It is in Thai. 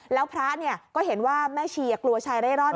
แล้วพระก็เห็นว่าแม่ชีกลัวชายเร่ร่อน